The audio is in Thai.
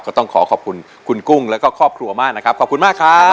ต้องขอขอบคุณคุณกุ้งแล้วก็ครอบครัวมากนะครับขอบคุณมากครับ